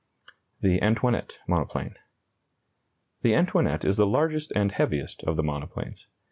THE ANTOINETTE MONOPLANE. The Antoinette is the largest and heaviest of the monoplanes.